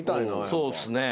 そうっすね。